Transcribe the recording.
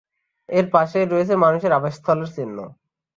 এর পাশেই রয়েছে মানুষের আবাসস্থলের চিহ্ন।